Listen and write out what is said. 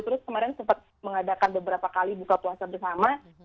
terus kemarin sempat mengadakan beberapa kali buka puasa bersama